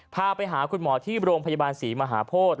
พาไปหาคุณหมอที่โรงพยาบาลศรีมหาโพธิ